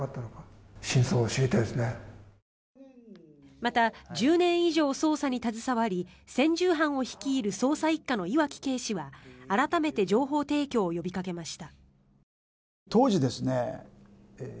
また、１０年以上捜査に携わり専従班を率いる捜査１課の岩城警視は改めて情報提供を呼びかけました。